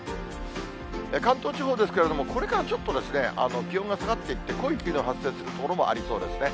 関東地方ですけれども、これからちょっと、気温が下がっていって、濃い霧の発生する所もありそうですね。